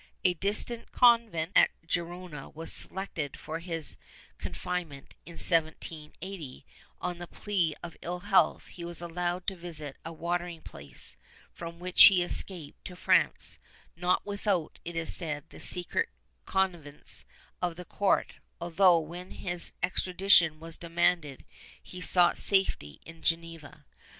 A distant convent at Gerona was selected for his confine ment; in 1780, on the plea of ill health, he was allowed to visit a watering place, from which he escaped to France, not without, it is said, the secret connivance of the court, although, when his extradition was demanded, he sought safety in Geneva.